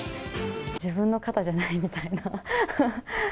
自分の肩じゃないみたいな。